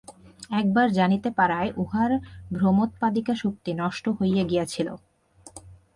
একবার জানিতে পারায় উহার ভ্রমোৎপাদিকা শক্তি নষ্ট হইয়া গিয়াছিল।